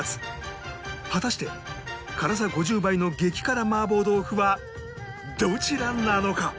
果たして辛さ５０倍の激辛麻婆豆腐はどちらなのか？